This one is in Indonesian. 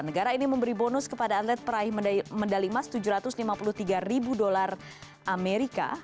negara ini memberi bonus kepada atlet peraih medali emas tujuh ratus lima puluh tiga ribu dolar amerika